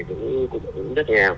cũng rất nghèo